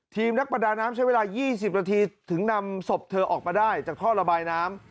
นักประดาน้ำใช้เวลา๒๐นาทีถึงนำศพเธอออกมาได้จากท่อระบายน้ำ